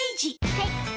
はい。